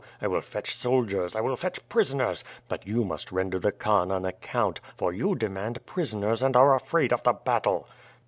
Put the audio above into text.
I will fetch soldiers, I will fetch prisoners; but you must render the Khan an account, for you demand prisoners and are afraid of the battle.